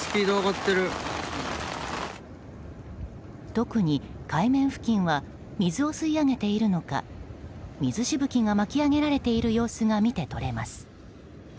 特に海面付近は水を吸い上げているのか水しぶきが巻き上げられている様子が見て取れます。